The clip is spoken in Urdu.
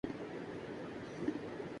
ہل نہیں سکتے تھے اور لیٹے ہوئے تھے انکو شہید